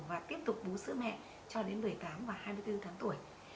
và tiếp tục bú sữa mẹ cho đến một mươi tám và hai mươi bốn tháng tuổi